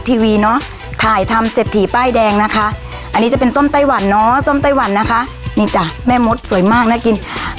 สวัสดีค่ะค่ะอันนี้สวัสดีครับลูกค้าพี่มดมาแล้วค่ะ